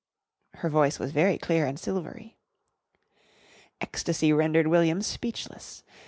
Her voice was very clear and silvery. Ecstasy rendered William speechless.